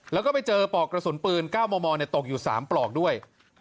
แล้วก็ไปเจอปลอกกระสุนปืน๙มมตกอยู่๓ปลอกด้วย